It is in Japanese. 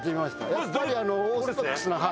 やっぱりオーソドックスなはい。